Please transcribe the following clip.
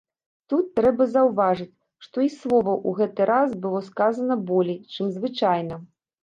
Тут трэба заўважыць, што і словаў у гэты раз было сказана болей, чым звычайна.